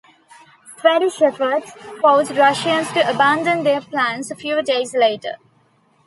Swedish efforts forced Russians to abandon their plans few days later.